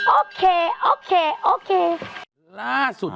โอเคโอเคโอเคโอเค